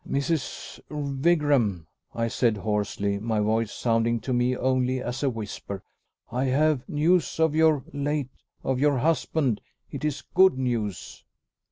"Mrs. Wigram," I said hoarsely, my voice sounding to me only as a whisper, "I have news of your late of your husband. It is good news."